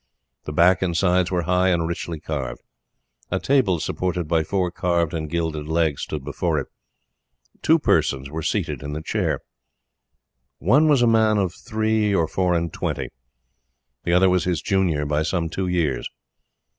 The back and sides were high and richly carved. A table supported by four carved and gilded legs stood before it. Two persons were seated in the chair. One was a man of three or four and twenty, the other was his junior by some two years.